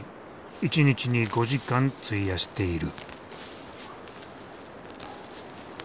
１日に５時間費やしている。